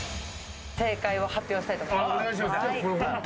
正解を発表したいと思います。